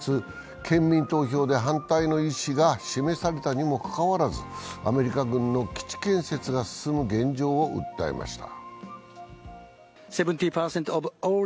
県民投票で反対の意思が示されたにもかかわらずアメリカ軍の基地建設が進む現状を訴えました。